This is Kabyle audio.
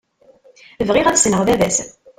Bɣiɣ ad ssneɣ baba-s.